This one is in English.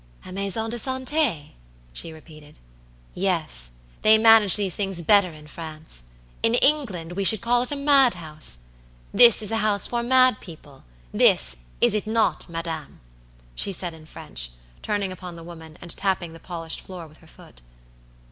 "A maison de santé," she repeated. "Yes, they manage these things better in France. In England we should call it a madhouse. This a house for mad people, this, is it not, madam?" she said in French, turning upon the woman, and tapping the polished floor with her foot.